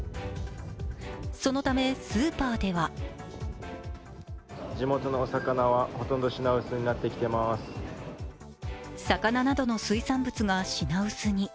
そのためスーパーでは魚などの水産物が品薄に。